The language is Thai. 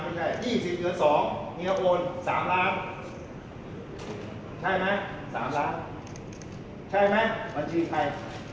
เมียโอน๓ล้านใช่ไหม๓ล้านใช่ไหมวันที่ไทย